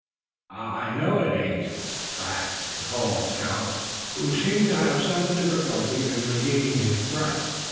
"I know it ain't!" gasped the tall scout, who seemed to have some difficulty in regaining his breath.